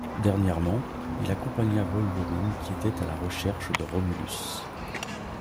Dernièrement, il accompagna Wolverine qui était à la recherche de Romulus.